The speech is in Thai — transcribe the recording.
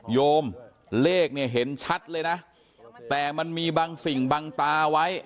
โยมเลขเนี่ยเห็นชัดเลยนะแต่มันมีบางสิ่งบางตาไว้